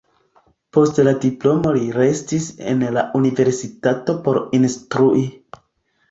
Post la diplomo li restis en la universitato por instrui.